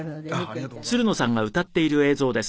ありがとうございます。